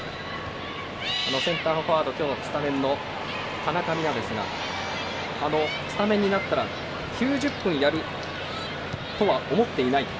センターフォワード今日スタメンの田中美南ですがスタメンになったら９０分やるとは思っていないと。